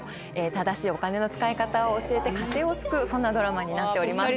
正しいお金の使い方を教えて家庭を救うそんなドラマになっております。